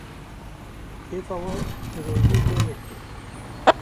kêfa wan jî rojiyê gelek tê.